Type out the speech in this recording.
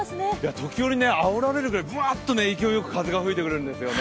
時折あおられるぐらいぶわっと勢いよく風が吹いてくるんですよね。